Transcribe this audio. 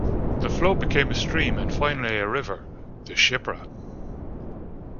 The flow became a stream and finally a river - the Shipra.